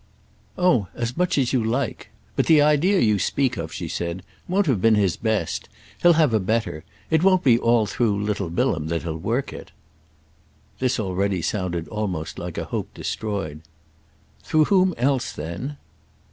"Oh as much as you like! But the idea you speak of," she said, "won't have been his best. He'll have a better. It won't be all through little Bilham that he'll work it." This already sounded almost like a hope destroyed. "Through whom else then?"